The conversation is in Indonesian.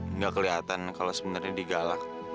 enggak kelihatan kalau sebenarnya digalak